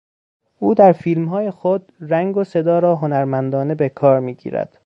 او در فیلمهای خود رنگ و صدا را هنرمندانه به کار میگیرد.